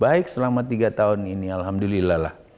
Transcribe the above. baik selama tiga tahun ini alhamdulillah lah